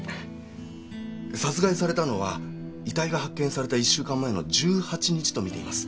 殺害されたのは遺体が発見された１週間前の１８日とみています。